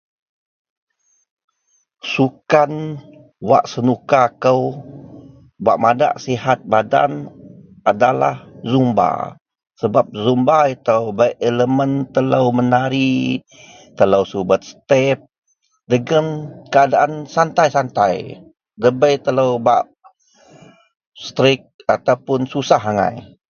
sukan wak senuka kou bak madak sihat badan adalah zumba, sebab zumba itou bei elemen telou menari, telou subet step dagen keadaan santai-santai dabei telou bak strick ataupun susah agai